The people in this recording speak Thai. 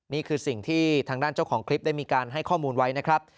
นี่คือสิ่งที่ทางด้านเจ้าของคลิปได้มีการให้ข้อมูลไว้นะครับ